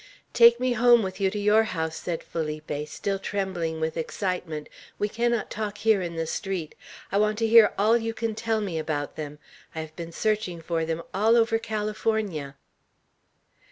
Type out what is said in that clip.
"Take me home with you to your house," said Felipe, still trembling with excitement; "we cannot talk here in the street. I want to hear all you can tell me about them. I have been searching for them all over California."